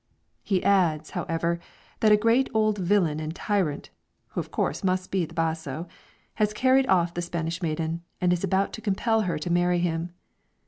He adds, however, that a great old villain and tyrant (who of course must be the basso,) has carried off the Spanish maiden, and is about to compel her to marry him.